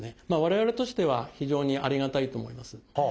まあ我々としては非常にありがたいと思います。